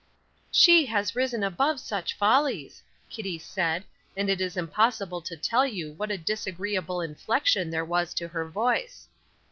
"She has risen above such follies," Kitty said, and it is impossible to tell you what a disagreeable inflection there was to her voice.